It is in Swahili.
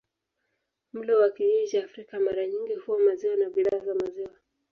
Mlo wa kijiji cha Afrika mara nyingi huwa maziwa na bidhaa za maziwa.